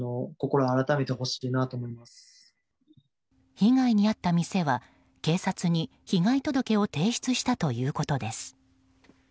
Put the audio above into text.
被害に遭った店は、警察に被害届を提出したということです。